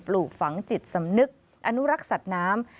ปลูกฝังจิตสำนึกอนุรักษ์สัตว์น้ำ